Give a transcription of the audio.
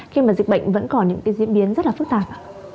khi mà dịch bệnh vẫn còn những cái diễn biến rất là phức tạp